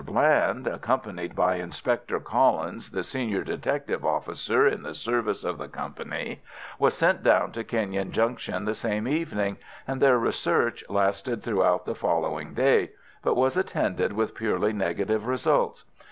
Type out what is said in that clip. Bland, accompanied by Inspector Collins, the senior detective officer in the service of the company, went down to Kenyon Junction the same evening, and their research lasted throughout the following day, but was attended with purely negative results.